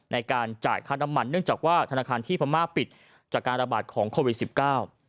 ในการจ่ายค่าน้ำมันเนื่องจากว่าธนาคารที่พม่าปิดจากการระบาดของโควิดสิบเก้า